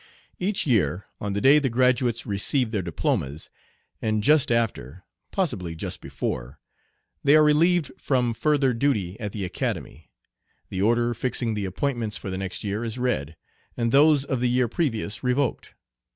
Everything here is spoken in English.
Each year, on the day the graduates receive their diplomas, and just after possibly just before they are relieved from further duty at the Academy, the order fixing the appointments for the next year is read, and those of the year previous revoked.